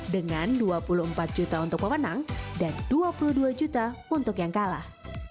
dengan dua puluh empat juta untuk pemenang dan dua puluh dua juta untuk yang kalah